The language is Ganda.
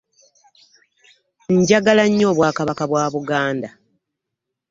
Njagala nnyo obwakabaka bwa Buganda.